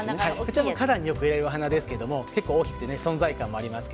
花壇によく植えるお花ですが大きくて存在感があります。